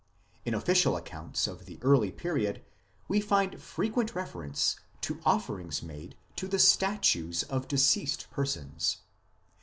In official accounts of the early period we find frequent reference to offerings made to the statues of deceased persons.